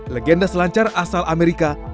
legenda selancar asal amerika